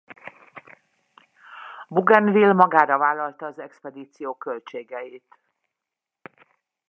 Bougainville magára vállalta az expedíció költségeit.